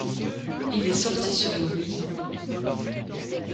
Il est sorti le sur Wii.